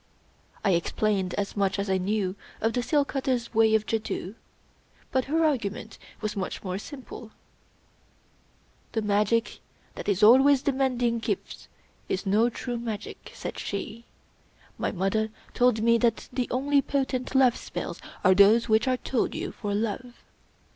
I explained as much as I knew of the seal cutter's way of jadoo; but her argument was much more simple: — *'The magic that is always demanding gifts is no true magic," said she. " My mother told me that the only potent love spells are those which are told you for love.